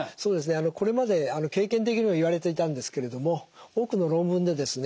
これまで経験的にも言われていたんですけれども多くの論文でですね